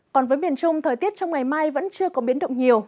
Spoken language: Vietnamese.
còn với miền trung thời tiết trong ngày mai vẫn chưa có biến động nhiều